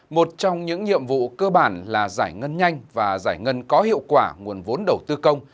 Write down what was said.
một trong những nhiệm vụ cơ bản là giải ngân nhanh và giải ngân có hiệu quả nguồn vốn đầu tư công